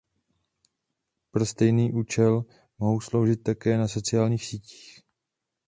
Pro stejný účel mohou sloužit také na sociálních sítích.